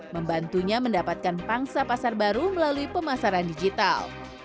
membantunya mendapatkan pangsa pasar baru melalui pemasaran digital